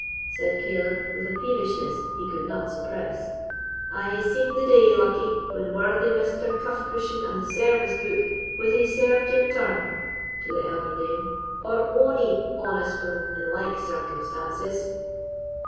said Caleb, with a peevishness he could not suppress. "I hae seen the day, Luckie, when worthy Mr. Cuffcushion and the service book would hae served your turn (to the elder dame), or ony honest woman in like circumstances."